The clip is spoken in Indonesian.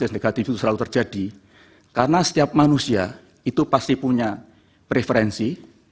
negatif itu selalu terjadi karena setiap manusia itu pasti punya preferensi